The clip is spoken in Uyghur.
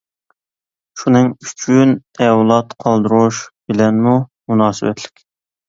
شۇنىڭ ئۈچۈن ئەۋلاد قالدۇرۇش بىلەنمۇ مۇناسىۋەتلىك.